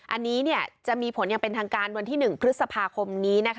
อันนี้จะมีผลอย่างเป็นทางการวันที่๑พฤษภาคมนี้นะคะ